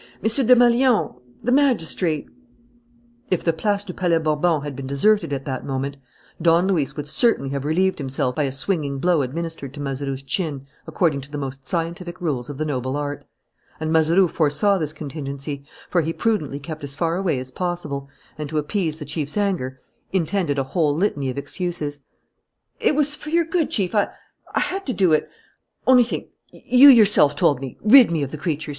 M. Desmalions, the magistrate " If the Place du Palais Bourbon had been deserted at that moment, Don Luis would certainly have relieved himself by a swinging blow administered to Mazeroux's chin according to the most scientific rules of the noble art. And Mazeroux foresaw this contingency, for he prudently kept as far away as possible and, to appease the chief's anger, intended a whole litany of excuses: "It was for your good, Chief.... I had to do it ... Only think! You yourself told me: 'Rid me of the creature!'